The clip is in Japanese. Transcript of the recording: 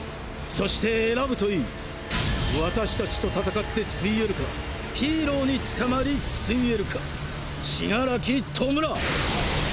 そして選ぶといい私達と戦って潰えるかヒーローに捕まり潰えるか死柄木弔！